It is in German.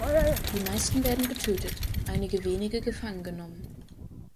Die meisten werden getötet, einige wenige gefangen genommen.